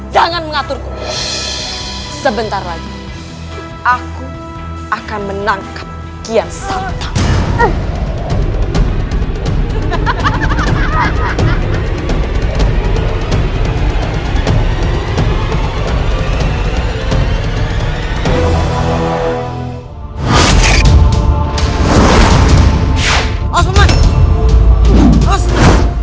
jangan mengaturku sebentar lagi aku akan menangkap kian santang